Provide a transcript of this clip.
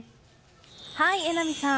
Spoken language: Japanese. はい、榎並さん